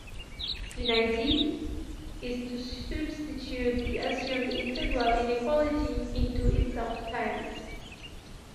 In idea is to substitute the assumed integral inequality into itself times.